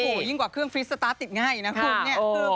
โอ้โหยิ่งกว่าเครื่องฟรีสตาร์ทติดง่ายนะคุณเนี่ย